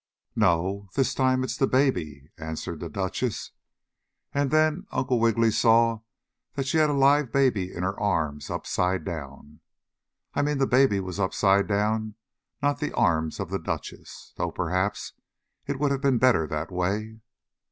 "No, this time it's the Baby," answered the Duchess, and then Uncle Wiggily saw that she had a live baby in her arms upside down. I mean the baby was upside down, not the arms of the Duchess, though perhaps it would have been better that way.